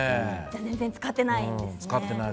全然使ってないですね。